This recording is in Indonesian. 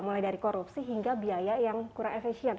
mulai dari korupsi hingga biaya yang kurang efisien